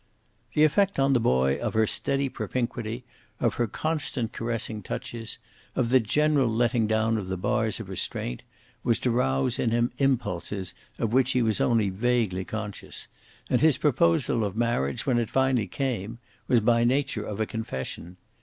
The effect on the boy of her steady propinquity, of her constant caressing touches, of the general letting down of the bars of restraint, was to rouse in him impulses of which he was only vaguely conscious, and his proposal of marriage, when it finally came, was by nature of a confession.